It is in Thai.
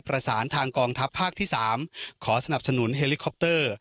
ประสานทางกองทัพภาคที่๓ขอสนับสนุนเฮลิคอปเตอร์